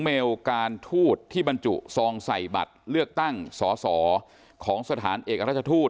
เมลการทูตที่บรรจุซองใส่บัตรเลือกตั้งสอสอของสถานเอกราชทูต